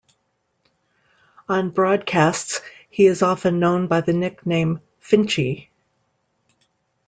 On broadcasts he is often known by the nickname "Finchy".